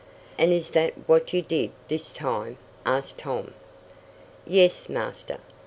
"And is that what you did this time?" asked Tom. "Yes, Master.